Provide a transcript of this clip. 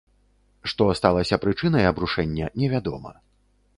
Што сталася прычынай абрушэння, невядома.